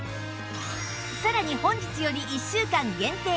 さらに本日より１週間限定